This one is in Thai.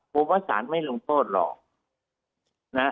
ผมว่าสารไม่ลงโทษหรอก